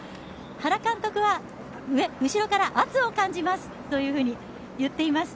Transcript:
原監督は後ろから圧を感じますと言っています。